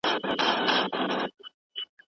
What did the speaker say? ګورو به نصیب ته په توپان کي بېړۍ څه وايي